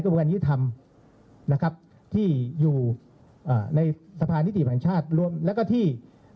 ในระบบการยุทธรรมนะครับที่อยู่อ่าในสะพานิติภัณฑ์ชาติรวมแล้วก็ที่